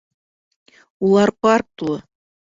Улар парк тулы.